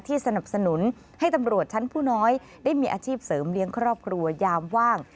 สนับสนุนให้ตำรวจชั้นผู้น้อยได้มีอาชีพเสริมเลี้ยงครอบครัวยามว่าง